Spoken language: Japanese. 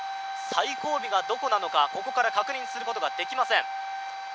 最後尾がどこなのか、ここから確認することができません。